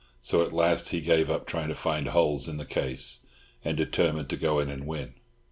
So at last he gave up trying to find holes in the case, and determined to go in and win.